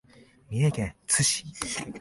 三重県津市